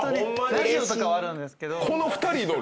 ラジオとかはあるんですけど。